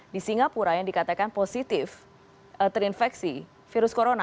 di singapura yang dikatakan positif terinfeksi virus corona